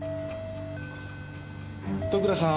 戸倉さん？